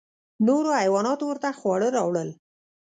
نورو حیواناتو ورته خواړه راوړل.